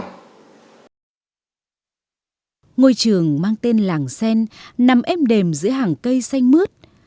ngôi trường mang tên làng sen nằm êm đềm giữa hàng cây xanh mướt